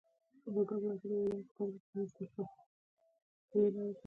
د بزګر میله یو لرغونی دود دی